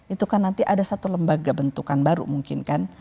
itu kan nanti ada satu lembaga bentukan baru mungkin kan